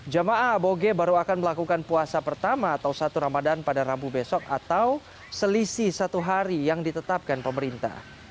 jamaah aboge baru akan melakukan puasa pertama atau satu ramadan pada rabu besok atau selisih satu hari yang ditetapkan pemerintah